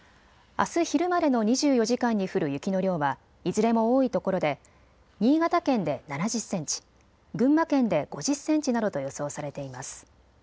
あす昼までの２４時間に降る雪の量はいずれも多いところで新潟県で７０センチ、群馬県で５０センチなどと予想されています。